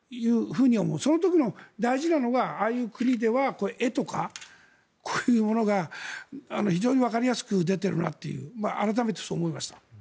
その時の大事なのがああいう国では絵とかこういうものが非常にわかりやすく出ているなって改めてそう思いました。